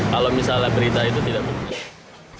kalau misalnya berita itu tidak benar